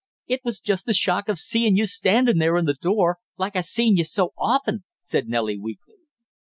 "It was just the shock of seein' you standin' there in the door like I seen you so often!" said Nellie weakly.